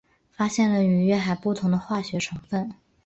发现了与月海不同的化学成分。